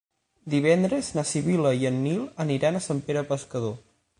Divendres na Sibil·la i en Nil aniran a Sant Pere Pescador.